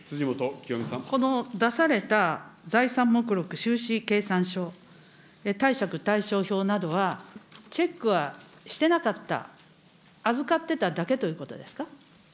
この出された財産目録、収支計算書、貸借対照表などは、チェックはしてなかった、預かってただけということですか。